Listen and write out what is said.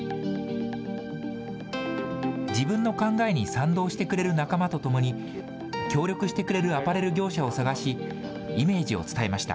自分の考えに賛同してくれる仲間と共に、協力してくれるアパレル業者を探し、イメージを伝えました。